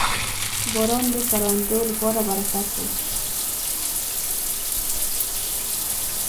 • باران د کروندو لپاره برکت دی.